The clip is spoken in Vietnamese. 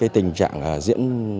tình trạng diễn